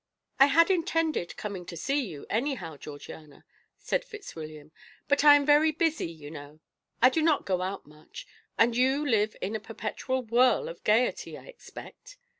"I had intended coming to see you, anyhow, Georgiana," said Fitzwilliam, "but I am very busy, you know I do not go out much; and you live in a perpetual whirl of gaiety, I expect."